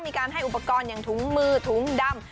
มีการให้อุปกรณ์อย่างถุงมือถุงดำ